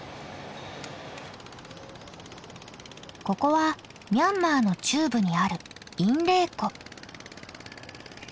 ここはミャンマーの中部にあるインレー湖。